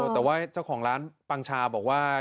แต่ว่าเจ้าของร้านปังชาบอกว่า